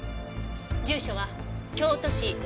住所は京都市。